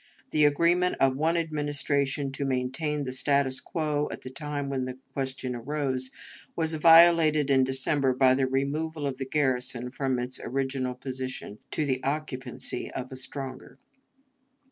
The agreement of one Administration to maintain the status quo at the time when the question arose, was violated in December by the removal of the garrison from its original position to the occupancy of a stronger.